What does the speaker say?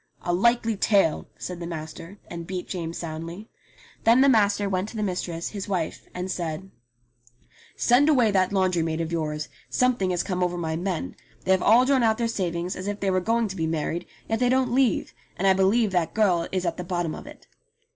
"A likely tale," said the master, and beat James soundly. Then the master went to the mistress, his wife, and said : "Send away that laundry maid of yours. Something has come over my men. They have all drawn out their savings as if they were going to be married, yet they don't leave, and I believe that girl is at the bottom of it."